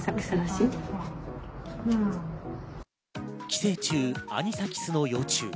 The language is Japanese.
寄生虫アニサキスの幼虫。